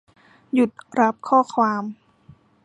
หยุดรับข้อความ